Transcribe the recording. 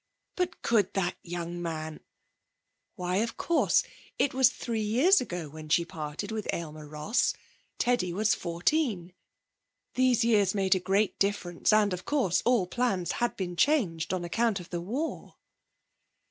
But could that young man why, of course, it was three years ago when she parted with Aylmer Ross, Teddy was fourteen; these years made a great difference and of course all plans had been changed on account of the war.